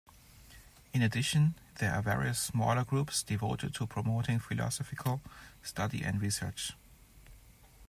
In addition there are various smaller groups devoted to promoting philosophical study and research.